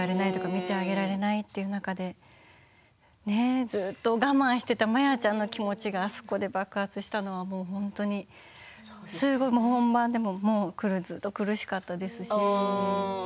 見てあげられないという中でずっと我慢していたマヤちゃんの気持ちがあそこで爆発したのが本番でもずっと苦しかったですし。